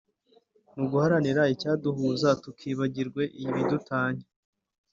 ni uguharanira icyaduhuza tukibagirwe ibidutanya.